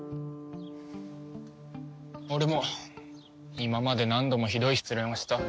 俺も今まで何度もひどい失恋をした。